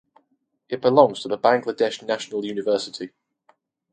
It belongs to Bangladesh National University.